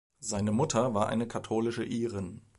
Seine Mutter war eine katholische Irin.